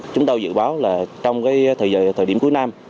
chúng tôi dự báo là trong thời điểm cuối năm